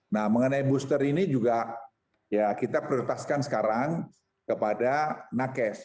nah mengenai booster ini juga ya kita prioritaskan sekarang kepada nakes